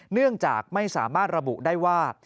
เนื่องจากไม่สามารถระบุได้ว่า